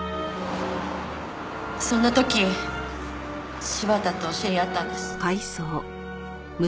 そんな時柴田と知り合ったんです。